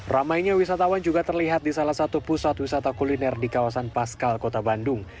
ramainya wisatawan juga terlihat di salah satu pusat wisata kuliner di kawasan paskal kota bandung